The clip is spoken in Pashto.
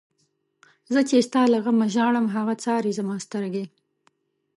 زه چی ستا له غمه ژاړم، هغه څاری زما سترگی